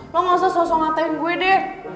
lu gak usah soso ngatain gue deh